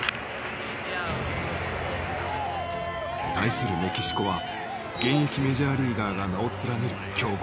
対するメキシコは現役メジャーリーガーが名を連ねる強豪。